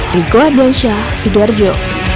di goa indonesia sibirjo